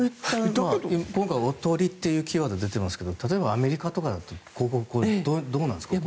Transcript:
今回おとりというキーワード出てますけど例えばアメリカだとどうなんですか？